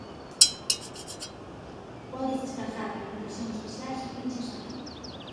Podes descargar a publicación especial se pinchas aquí.